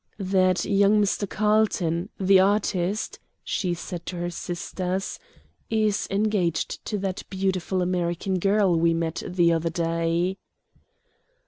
"That young Mr. Carlton, the artist," she said to her sisters, "is engaged to that beautiful American girl we met the other day."